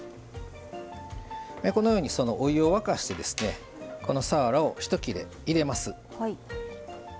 このようにお湯を沸かしてこのさわらを一切れ入れます。